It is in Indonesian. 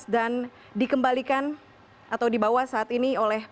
dan dikembalikan atau dibawa saat ini oleh